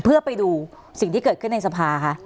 เพื่อไปดูสิ่งที่เกิดขึ้นในสภาคะ